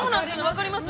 分かります。